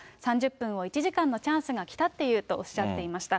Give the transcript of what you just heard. ３０分を１時間のチャンスが来たっていうとおっしゃっていました。